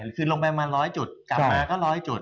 ก็คือลงไปมาร้อยจุดกลับมามาร้อยจิ้ด